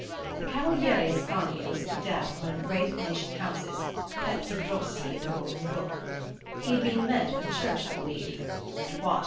"The Cavaliere Ascanio was a cadet of one of the great Venetian houses, pezzi grossi of the Golden Book. He had been meant for the Church, I believe, but what!